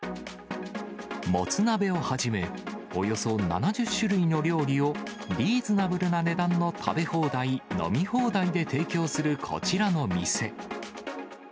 もつ鍋をはじめ、およそ７０種類の料理をリーズナブルな値段の食べ放題、飲み放題で提供する、こちらの店。